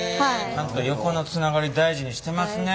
ちゃんと横のつながり大事にしてますね。